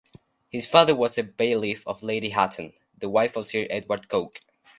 His father was a bailiff of Lady Hatton, the wife of Sir Edward Coke.